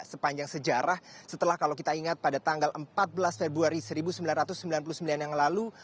sepanjang sejarah setelah kalau kita ingat pada tanggal empat belas februari seribu sembilan ratus sembilan puluh sembilan yang lalu